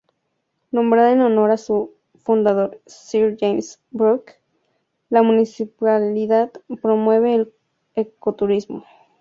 Nombrada en honor de su fundador Sir James Brooke, la municipalidad promueve el ecoturismo.